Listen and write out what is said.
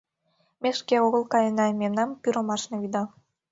«Ме шке огыл каена — мемнам пӱрымашна вӱда».